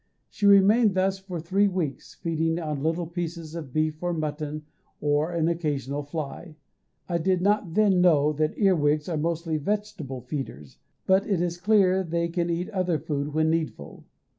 She remained thus for three weeks, feeding on little pieces of beef or mutton, or an occasional fly; I did not then know that earwigs are mostly vegetable feeders, but it is clear they can eat other food when needful.